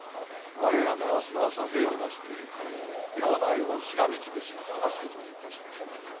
我らも明日の朝兵を出して領内をしらみつぶしに捜すことにいたしましょう。